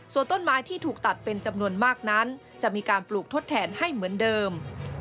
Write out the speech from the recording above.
ส่วนต้นไม้ที่ถูกตัดเป็นจำนวนมากนั้นจะมีการปลูกทดแทนให้เหมือนเดิม